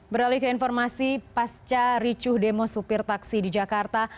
beralih ke informasi pasca ricuh demo supir taksi di jakarta